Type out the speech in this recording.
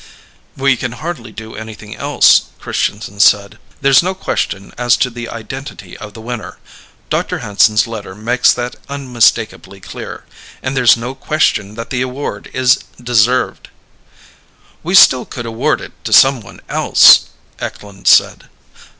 "We can hardly do anything else," Christianson said. "There's no question as to the identity of the winner. Dr. Hanson's letter makes that unmistakably clear. And there's no question that the award is deserved." "We still could award it to someone else," Eklund said.